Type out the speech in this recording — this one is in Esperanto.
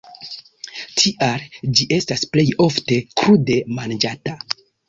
Tial ĝi estas plej ofte krude manĝata.